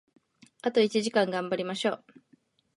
あと一時間、頑張りましょう！